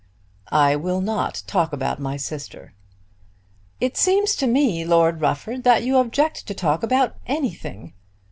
"I will not talk about my sister." "It seems to me, Lord Rufford, that you object to talk about anything.